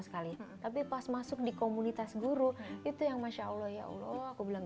sekali tapi pas masuk di komunitas guru itu yang masya allah ya allah aku bilang